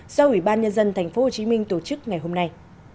do ủy ban nhân dân tp hcm tổ chức ngày hôm nay